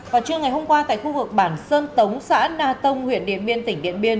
vào trưa ngày hôm qua tại khu vực bản sơn tống xã na tông huyện điện biên tỉnh điện biên